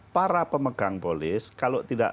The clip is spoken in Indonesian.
para pemegang polis kalau tidak